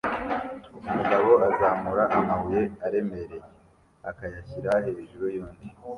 Umugabo azamura amabuye aremereye akayashyira hejuru yundi